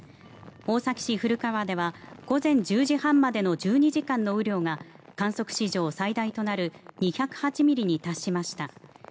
大崎市古川では午前１０時半までの１２時間の雨量が観測史上最大となる２０８ミリに達しました。